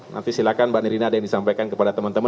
nanti silakan mbak nirina ada yang disampaikan kepada teman teman